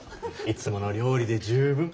いつもの料理で十分。